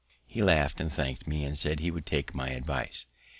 He laugh'd and thank'd me, and said he would take my advice.